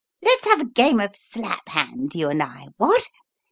Let's have a game of 'Slap Hand,' you and I what?